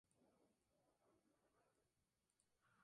El camino termina en las ruinas del Mas de Llopis.